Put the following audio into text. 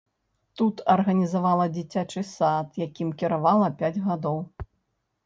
Тут арганізавала дзіцячы сад, якім кіравала пяць гадоў.